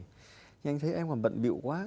nhưng anh thấy em còn bận biệu quá